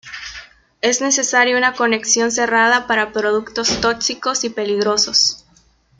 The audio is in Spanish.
Es necesaria una conexión cerrada para productos tóxicos y peligrosos.